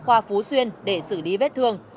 đa khoa phú xuyên để xử lý vết thương